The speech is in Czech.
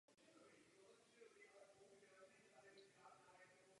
Proto je nutné tuto cestu postupné liberalizace mezinárodního obchodu ukončit.